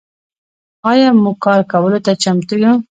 آیا موږ کار کولو ته چمتو یو؟